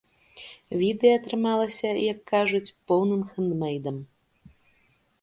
Відэа атрымалася, як кажуць, поўным хэндмэйдам.